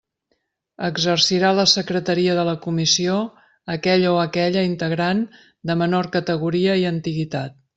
Exercirà la secretaria de la comissió aquell o aquella integrant de menor categoria i antiguitat.